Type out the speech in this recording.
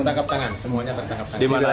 tertangkap tangan semuanya tertangkap tangan